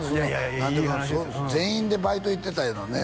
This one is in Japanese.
話やで全員でバイト行ってたいうのね